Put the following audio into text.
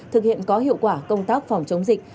thực hiện có hiệu quả công tác phòng chống dịch